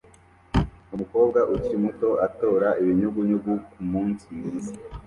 Umukobwa ukiri muto atora ibinyugunyugu kumunsi mwiza